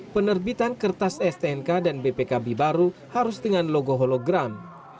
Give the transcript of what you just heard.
penerbitan kertas stnk dan bpkb baru harus dengan logo hologram